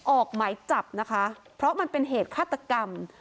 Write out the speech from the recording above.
ออกหมายจับนะคะเพราะมันเป็นเหตุฆาตกรรม